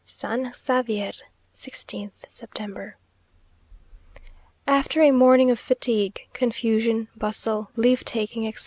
SAN XAVIER, 16th September. After a morning of fatigue, confusion, bustle, leave taking, etc.